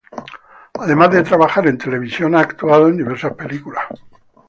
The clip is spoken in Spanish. Además de trabajar en televisión, ha actuado en diversas películas.